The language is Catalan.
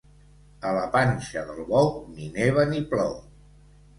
A la panxa del bou ni neva ni plou.